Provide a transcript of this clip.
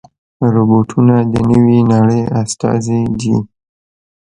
روبوټونه د نوې نړۍ استازي دي.